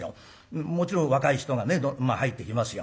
もちろん若い人がね入ってきますよ。